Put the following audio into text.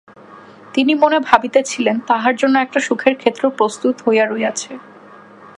তিনি মনে ভাবিতেছিলেন, তাহার জন্য একটা সুখের ক্ষেত্র প্রস্তুত হইয়া রহিয়াছে।